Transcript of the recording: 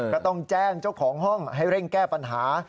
ก็ต้องแจ้งเจ้าของห้องให้เร่งแก้ปัญหา